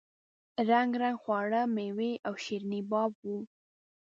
رنګ رنګ خواړه میوې او شیریني باب وو.